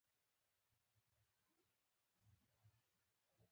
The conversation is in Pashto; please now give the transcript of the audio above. خلکو بهلول ته وویل او غوښتنه یې ترې وکړه.